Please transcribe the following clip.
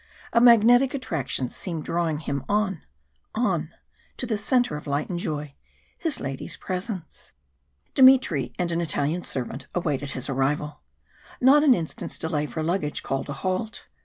A magnetic attraction seemed drawing him on on to the centre of light and joy his lady's presence. Dmitry and an Italian servant awaited his arrival; not an instant's delay for luggage called a halt.